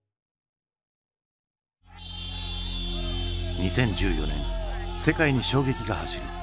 ２０１４年世界に衝撃が走る。